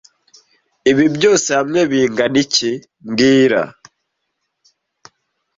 Ibi byose hamwe bingana iki mbwira